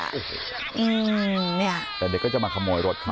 แต่เด็กก็จะมาขโมยรถครับอเรนนี่แต่เด็กก็จะมาขโมยรถครับ